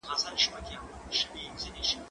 زه پرون سبزیحات وچول؟!